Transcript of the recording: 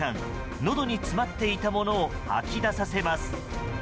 のどに詰まっていたものを吐き出させます。